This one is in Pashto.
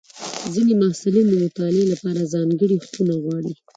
ځینې محصلین د مطالعې لپاره ځانګړې خونه غواړي.